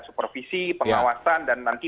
supervisi pengawasan dan nanti